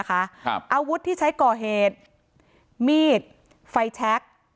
อาวุธที่ใช้ก่อเหตุมีดไฟแชค